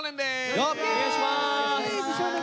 よろしくお願いします。